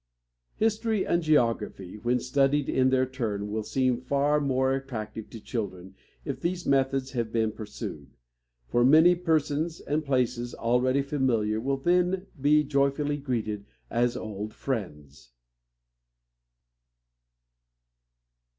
History and geography, when studied in their turn, will seem far more attractive to children if these methods have been pursued; for many persons and places already familiar will then be joyfully greeted as old friends.